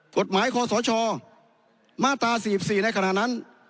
กฎหมายขอสอชอมาตราสี่อีกสี่ในขณะนั้น